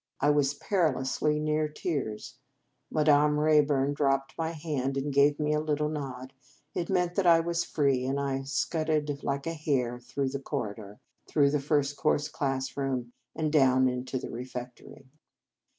I was perilously near tears. Madame Ray burn dropped my hand, and gave me a little nocl. It meant that I was free, and I scudded like a hare through the corridor, through the First Cours classroom, and down into the refec tory.